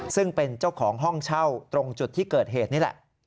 ซึ่งเป็นเจ้าของห้องเช่าตรงจุดที่เกิดเหตุนี่แหละ